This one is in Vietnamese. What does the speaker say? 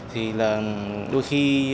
thì là đôi khi